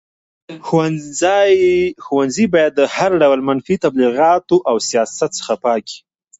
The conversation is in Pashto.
ښوونځي باید د هر ډول منفي تبلیغاتو او سیاست څخه پاک وي.